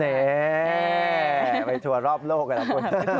เน่ไปทัวรอบโลกนะครับคุณ